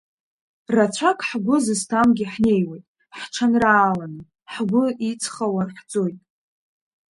Рацәак ҳгәы зызҭамгьы ҳнеиуеит ҳҽанрааланы, ҳгәы иҵхауа ҳӡоит…